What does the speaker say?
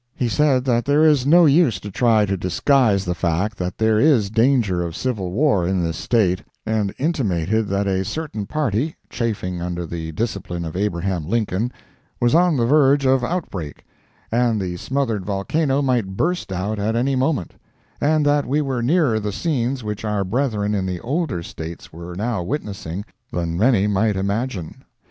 He said that there is no use to try to disguise the fact that there is danger of civil war in this State, and intimated that a certain party, chafing under the discipline of Abraham Lincoln, was on the verge of outbreak, and the smothered volcano might burst out at any moment, and that we were nearer the scenes which our brethren in the older States were now witnessing than many might imagine.